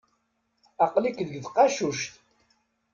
Aql-ik deg tqacuct.